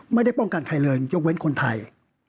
ไม่ได้ป้องกันใครเลยยกเว้นคนไทย